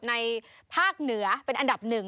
ภาคเหนือเป็นอันดับหนึ่ง